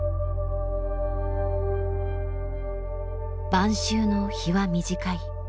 晩秋の日は短い。